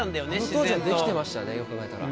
あの当時はできてましたねよく考えたら。